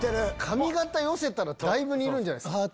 髪形寄せたらだいぶ似るんじゃないですか？